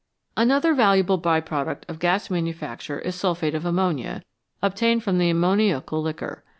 Another valuable by product of gas manufacture is sulphate of ammonia, obtained from the ammoniacal liquor.